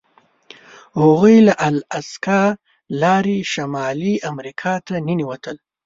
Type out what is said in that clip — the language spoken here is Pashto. هغوی له الاسکا لارې شمالي امریکا ته ننوتل.